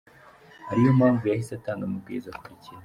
Ari yo mpamvu yahise atanga amabwiriza akurikira :